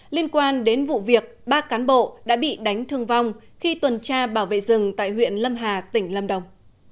liên quan đến vụ việc ba cán bộ đã bị đánh thương vong khi tuần tra bảo vệ rừng tại huyện lâm hà tỉnh lâm đồng